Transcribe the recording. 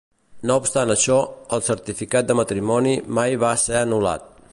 No obstant això, el certificat de matrimoni mai va ser anul·lat.